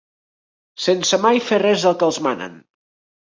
Sense mai fer res del que els manen.